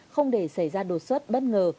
không để xảy ra đột xuất bất ngờ